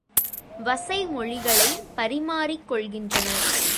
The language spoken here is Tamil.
வசைமொழிகளைப் பரிமாறிக் கொள்கின்றனர்!